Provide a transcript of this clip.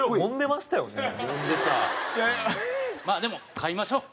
まあでも買いましょう！